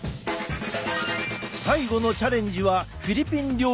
最後のチャレンジはフィリピン料理のシニガン。